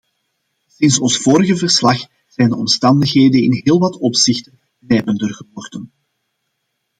Sinds ons vorige verslag zijn de omstandigheden in heel wat opzichten nijpender geworden.